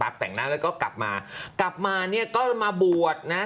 แต่งหน้าแล้วก็กลับมากลับมาเนี่ยก็มาบวชนะ